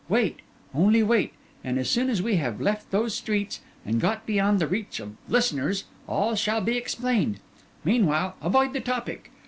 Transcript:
Wait, only wait; and as soon as we have left those streets, and got beyond the reach of listeners, all shall be explained. Meanwhile, avoid the topic.